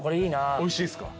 おいしいっすか？